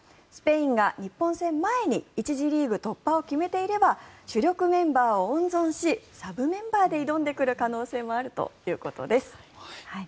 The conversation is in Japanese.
スペインが日本戦前に１次リーグ突破を決めていれば主力メンバーを温存しサブメンバーで挑んてくる可能性もあるということです。